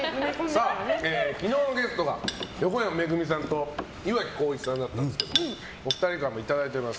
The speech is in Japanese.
昨日のゲストが横山めぐみさんと岩城滉一さんだったんですがお二人からもいただいております。